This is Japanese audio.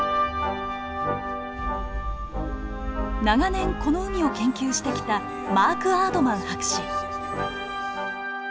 長年この海を研究してきたマーク・アードマン博士。